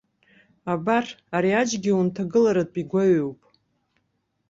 Абар, ари аџьгьы унҭагылартә игәаҩоуп.